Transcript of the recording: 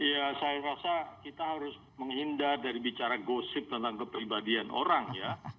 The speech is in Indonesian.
ya saya rasa kita harus menghindar dari bicara gosip tentang kepribadian orang ya